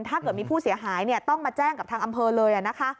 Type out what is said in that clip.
ถ้าเกิดมีผู้เสียหายต้องมาแจ้งกับทางอำเภอเลยนะคะ